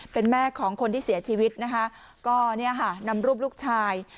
เป็นแม่ของคนที่เสียชีวิตนะคะก็เนี่ยค่ะนำรูปลูกชาย